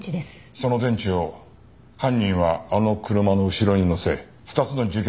その電池を犯人はあの車の後ろに載せ２つの事件